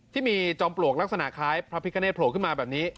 ที่มีจอมปลวกลักษณะคล้ายพระพิกาเนตโผล่ขึ้นมาแบบนี้